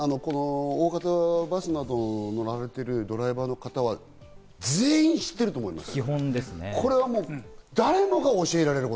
大型バスなどに乗られているドライバーの方は全員、知ってると思います。